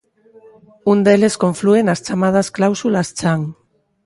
Un deles conflúe nas chamadas cláusulas chan.